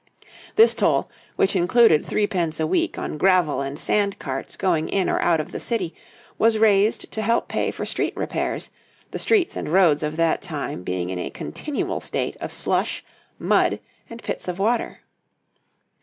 This toll, which included threepence a week on gravel and sand carts going in or out of the City, was raised to help pay for street repairs, the streets and roads of that time being in a continual state of slush, mud, and pits of water.